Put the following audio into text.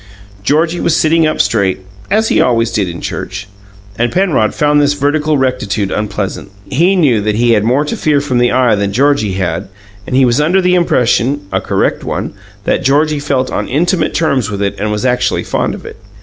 Georgie was sitting up straight, as he always did in church, and Penrod found this vertical rectitude unpleasant. He knew that he had more to fear from the Eye than Georgie had, and he was under the impression (a correct one) that Georgie felt on intimate terms with it and was actually fond of it.